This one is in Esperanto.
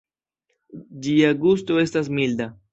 Ĝia gusto estas milda.